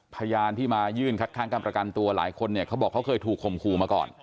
พยานที่มายื่นคัดค้างการประกันตัวหลายคนเนี่ยเขาบอกเขาเคยถูกข่มขู่มาก่อน